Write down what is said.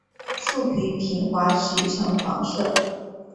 树皮平滑及呈黄色。